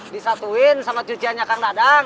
disatuin sama cuciannya kang dadang